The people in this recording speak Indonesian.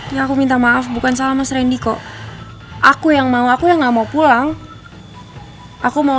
ya aku minta maaf bukan salah mas randy kok aku yang mau aku yang nggak mau pulang aku mau